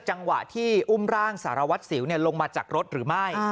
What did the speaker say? จังหวะที่อุ้มร่างสารวัตรสิวลงมาจากรถหรือไม่